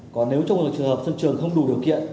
còn nếu trong trường hợp sân trường không đủ điều kiện